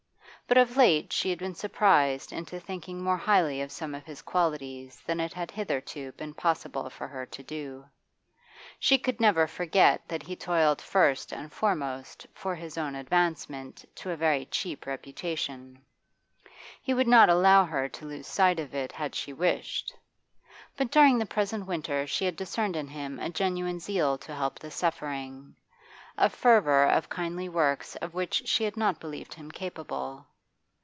But of late she had been surprised into thinking more highly of some of his qualities than it had hitherto been possible for her to do. She could never forget that he toiled first and foremost for his own advancement to a very cheap reputation; he would not allow her to lose sight of it had she wished. But during the present winter she had discerned in him a genuine zeal to help the suffering, a fervour in kindly works of which she had not believed him capable.